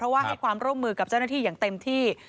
ว่าให้ความร่วมมือกับเจ้าหน้าที่อย่างเต็มที่